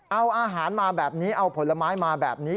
เอาอาหารมาแบบนี้เอาผลไม้มาแบบนี้